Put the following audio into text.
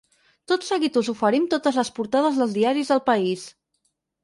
Tot seguit us oferim tot les portades dels diaris del país.